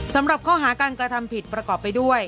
สำหรับข้อหาการกระทำผิดประกอบไปด้วย